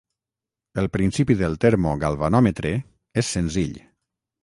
El principi del termo galvanòmetre és senzill.